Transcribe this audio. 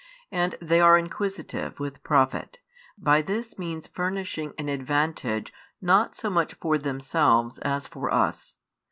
And they are inquisitive with profit, by this means furnishing an advantage not so much for themselves as for us.